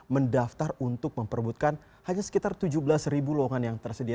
mendaftar untuk memperbutkan hanya sekitar tujuh belas ribu lowongan yang tersedia